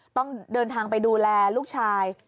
ต้องเดินทางไปดูแลลูกชาย